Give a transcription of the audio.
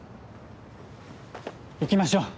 行きましょう！